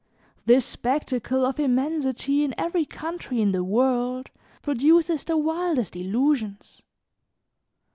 This spectacle of immensity in every country in the world, produces the wildest illusions.